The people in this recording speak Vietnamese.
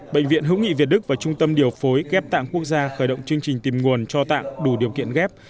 bệnh viện hữu nghị việt đức và trung tâm điều phối ghép tạng quốc gia khởi động chương trình tìm nguồn cho tạng đủ điều kiện ghép